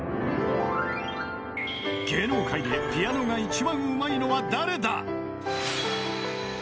芸能界でピアノが一番うまいのは誰だ。